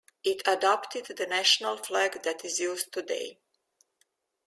It adopted the national flag that is used today.